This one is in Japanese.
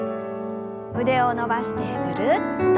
腕を伸ばしてぐるっと。